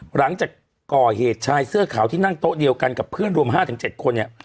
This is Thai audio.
หลังจากก่อเหตุชายเสื้อขาวที่นั่งโต๊ะเดียวกันกับเพื่อนรวม๕๗คนเนี่ย